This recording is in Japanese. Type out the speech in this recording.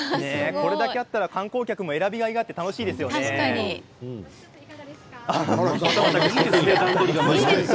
これだけあったら観光客も選びがいがあっていかがですか。